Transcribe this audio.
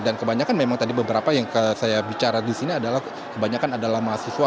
dan kebanyakan memang tadi beberapa yang saya bicara di sini adalah kebanyakan adalah mahasiswa